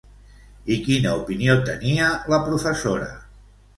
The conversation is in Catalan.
I quina opinió tenia la professora?